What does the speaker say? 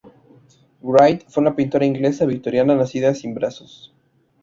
Wright, fue una pintora inglesa victoriana nacida sin brazos.